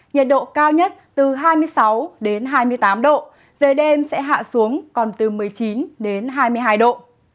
nhiệt độ cao nhất từ hai mươi sáu hai mươi tám độ về đêm sẽ hạ xuống còn từ một mươi chín đến hai mươi hai độ